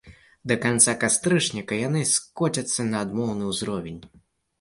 Да канца кастрычніка яны скоцяцца на адмоўны ўзровень.